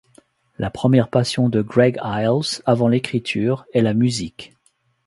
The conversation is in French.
La première passion de Greg Iles, avant l'écriture, est la musique.